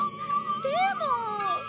でも。